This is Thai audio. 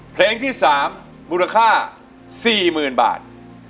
เพลงที่สามมูลค่าสี่หมื่นบาท